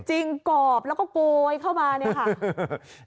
กรอบแล้วก็โกยเข้ามาเนี่ยค่ะ